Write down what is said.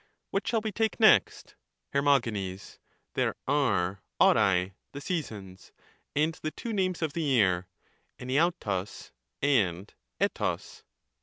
What shall we take next? Her. There are i^pai (the seasons), and the two names of the year, evtavrbg and erog.